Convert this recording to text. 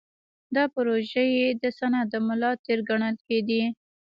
دا پروژې د صنعت د ملا تیر ګڼل کېدې.